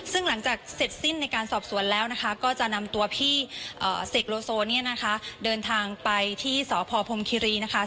ซึ่งหลังจากเสร็จสิ้นในการสอบสวนแล้วนะคะก็จะนำตัวพี่เสกโลโซเนี่ยนะคะเดินทางไปที่สพพรมคิรีนะคะ